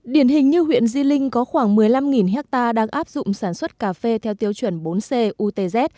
điển hình như huyện di linh có khoảng một mươi năm ha đang áp dụng sản xuất cà phê theo tiêu chuẩn bốn c utz